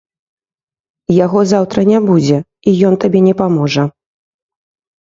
Яго заўтра не будзе, і ён табе не паможа.